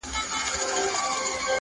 گیله من وو له اسمانه له عالمه٫